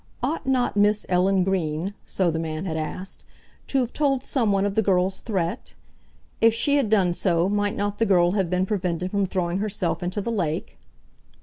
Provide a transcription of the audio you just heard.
"Ought not Miss Ellen Green," so the man had asked, "to have told someone of the girl's threat? If she had done so, might not the girl have been prevented from throwing herself into the lake?"